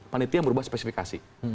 panitia merubah spesifikasi